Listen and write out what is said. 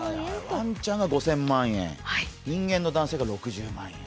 ワンちゃんが５０００万円、人間の男性が６９万円。